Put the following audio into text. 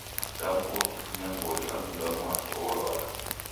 Damkua ukifunya mbori angu mundu wa w'omi wake wolwala.